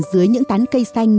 dưới những tán cây xanh